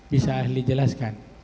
bisa ahli jelaskan